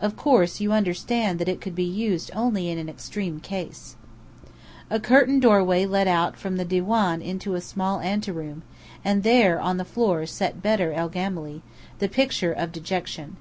Of course, you understand that it could be used only in an extreme case." A curtained doorway led out from the diwáán into a small anteroom, and there, on the floor, sat Bedr el Gemály, the picture of dejection.